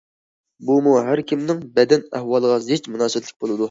بۇمۇ ھەر كىمنىڭ بەدەن ئەھۋالىغا زىچ مۇناسىۋەتلىك بولىدۇ.